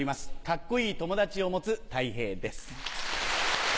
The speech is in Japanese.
カッコいい友達を持つたい平です。